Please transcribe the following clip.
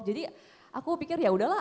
jadi aku pikir yaudahlah